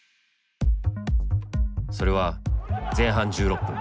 それは前半１６分。